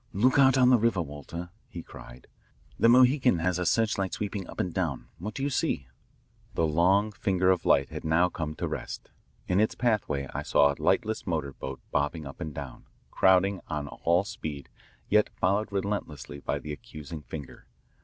"Look out on the river, Walter," he cried. "The Mohican has her searchlight sweeping up and down. What do you see?" The long finger of light had now come to rest. In its pathway I saw a lightless motor boat bobbing up and down, crowding on all speed, yet followed relentlessly by the accusing finger.